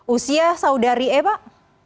usia saudari e pak